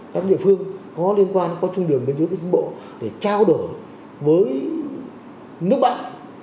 các địa phương có liên quan có chung đường bên dưới với chính bộ để trao đổi với nước bạn